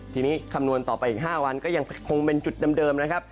ทีนี้คำนวณต่อไปอีก๕วันก็ยังคงเป็นจุดเดิมนะครับ